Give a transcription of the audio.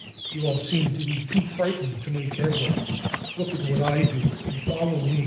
You all seem to be too frightened to make headway. Look at what I do and follow me.